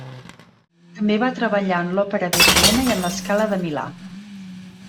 També va treballar en l'Òpera de Viena i en La Scala de Milà.